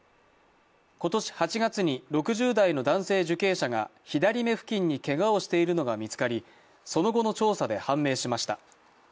今年８月に６０代の男性受刑者が左目付近にけがをしているのが見つかりその後の調査で判明しました。